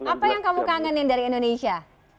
apa yang kamu kangenin dari indonesia